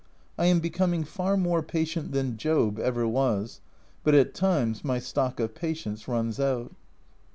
I am becoming far more patient than Job ever was, but at times my stock of patience runs out.